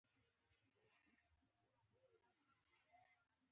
پخوا وخت کې مالګه د پیسو پر ځای هم کارېده.